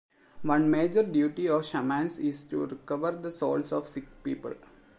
One major duty of shamans is to recover the souls of sick people.